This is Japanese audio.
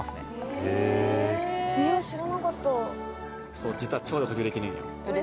そう実は腸で呼吸できるんよ。